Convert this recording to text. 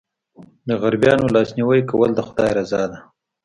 د غریبانو لاسنیوی کول د خدای رضا ده.